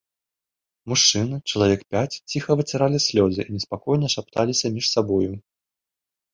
Мужчыны, чалавек пяць, ціха выціралі слёзы і неспакойна шапталіся між сабою.